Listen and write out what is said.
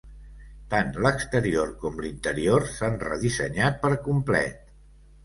Tant l'exterior com l'interior s'han redissenyat per complet.